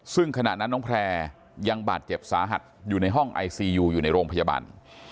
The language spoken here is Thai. ซึ่งขณะนั้นน้องแพร่ยังบาดเจ็บสาหัสอยู่ในห้องไอซียูอยู่ในโรงพยาบาล